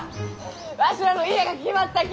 わしらの家が決まったき！